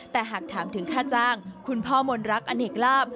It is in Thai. แต่หากถามถึงค่าจ้างคุณพ่อมนรักอเนกลาบ